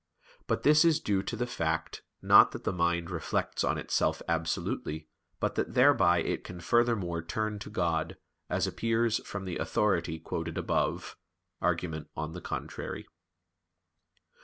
But this is due to the fact, not that the mind reflects on itself absolutely, but that thereby it can furthermore turn to God, as appears from the authority quoted above (Arg. On the contrary).